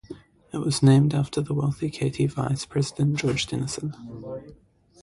It was named after the wealthy Katy vice president George Denison.